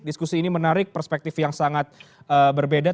diskusi ini menarik perspektif yang sangat berbeda